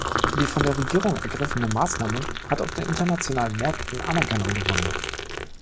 Die von der Regierung ergriffene Maßnahme hat auf den internationalen Märkten Anerkennung gewonnen.